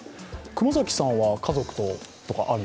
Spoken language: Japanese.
熊崎さんは家族とかと？